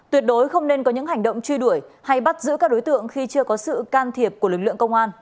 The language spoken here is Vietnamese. tuyệt đối không nên có những hành động truy đuổi hay bắt giữ các đối tượng khi chưa có sự can thiệp của lực lượng công an